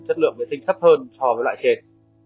chất lượng vệ tinh thấp hơn so với loại trên